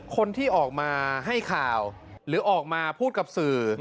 คนที่ออกมาให้ข่าวหรือออกมาพูดกับสื่อ